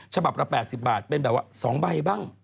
ฉบับละ๘๐บาทเป็นแบบว่า๒ใบบ้าง